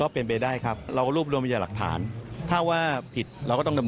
เป็นไปได้ครับเรารูปรวมไม่จากทางเวลากด้วย